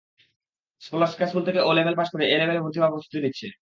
Scholastica school থেকে O level pass করে এ-লেভেলে ভর্তি হওয়ার প্রস্তুতি নিচ্ছে।